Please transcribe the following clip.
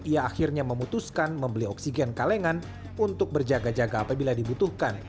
ia akhirnya memutuskan membeli oksigen kalengan untuk berjaga jaga apabila dibutuhkan